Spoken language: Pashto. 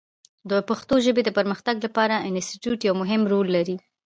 د پښتو ژبې د پرمختګ لپاره انسټیټوت یو مهم رول لري.